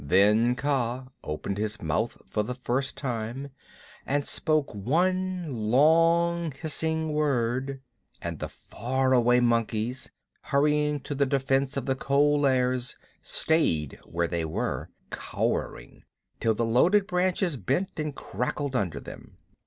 Then Kaa opened his mouth for the first time and spoke one long hissing word, and the far away monkeys, hurrying to the defense of the Cold Lairs, stayed where they were, cowering, till the loaded branches bent and crackled under them.